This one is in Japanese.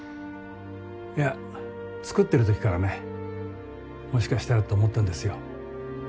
いや作ってるときからねもしかしたらって思ったんですよ。